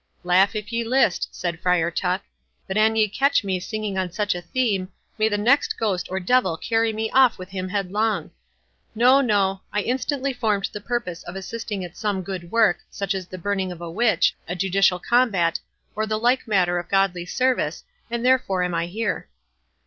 '" "Laugh, if ye list," said Friar Tuck; "but an ye catch me singing on such a theme, may the next ghost or devil carry me off with him headlong! No, no—I instantly formed the purpose of assisting at some good work, such as the burning of a witch, a judicial combat, or the like matter of godly service, and therefore am I here."